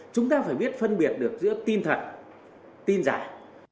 chúng ta phải biết phân biệt được giữa tin thật tin giải